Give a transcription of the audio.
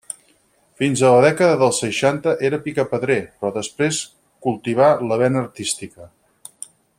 Fins a la dècada dels seixanta era picapedrer, però després cultivà la vena artística.